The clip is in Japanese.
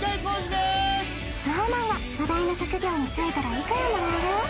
でーすＳｎｏｗＭａｎが話題の職業に就いたらいくらもらえる？